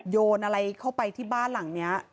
โยนอะไรเข้าไปที่บ้านหลังนี้